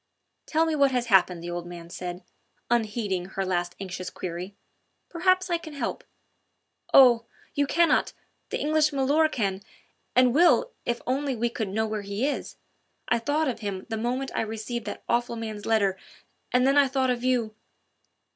"Tell me what has happened," the old man said, unheeding her last anxious query. "Perhaps I can help ..." "Oh! you cannot the English milor' can and will if only we could know where he is. I thought of him the moment I received that awful man's letter and then I thought of you...."